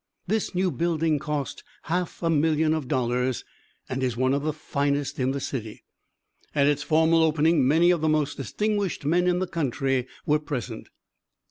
This new building cost half a million of dollars, and is one of the finest in the city. At its formal opening many of the most distinguished men in the country were present.